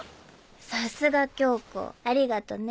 さすが恭子ありがとね。